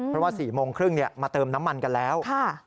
เพราะว่า๔โมงครึ่งมาเติมน้ำมันกันแล้ว